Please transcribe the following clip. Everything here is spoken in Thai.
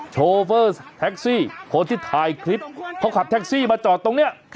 โชเฟอร์แท็กซี่คนที่ถ่ายคลิปเขาขับแท็กซี่มาจอดตรงนี้